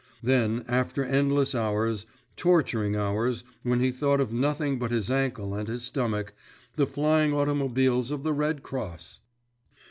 Then—after endless hours, torturing hours when he thought of nothing but his ankle and his stomach, the flying automobiles of the Red Cross!